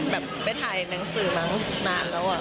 ไปถ่ายหนังสือมานานแล้วอะ